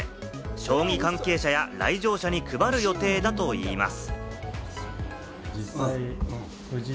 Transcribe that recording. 将棋関係者や来場者に配る予定だといいます。